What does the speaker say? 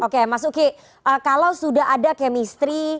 oke mas uki kalau sudah ada kemistri